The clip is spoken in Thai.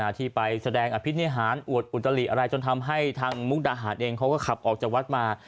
ที่ไปแสดงอภินิหารอวดอุตลิอะไรจนทำให้ทางมุกดาหารเองเขาก็ขับออกจากวัดมา